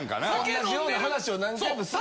同じような話を何回もすんのよ。